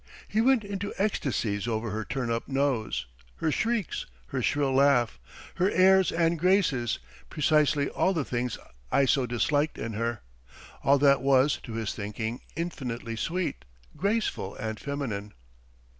He went into ecstasies over her turn up nose, her shrieks, her shrill laugh, her airs and graces, precisely all the things I so disliked in her. All that was, to his thinking, infinitely sweet, graceful, and feminine.